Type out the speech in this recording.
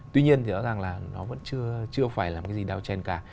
tuy nhiên thì rõ ràng là nó vẫn chưa phải làm cái gì down trend cả